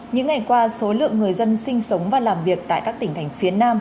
những ngày qua số lượng người dân sinh sống và làm việc tại các tỉnh thành phía nam